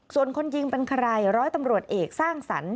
ส่วนคนยิงเป็นใครร้อยตำรวจเอกสร้างสรรค